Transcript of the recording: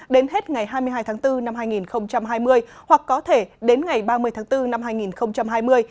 đến hết ngày hai mươi hai tháng bốn năm hai nghìn hai mươi hoặc có thể đến ngày ba mươi tháng bốn năm hai nghìn hai mươi